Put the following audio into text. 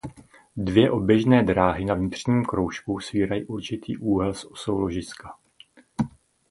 Dvě oběžné dráhy na vnitřním kroužku svírají určitý úhel s osou ložiska.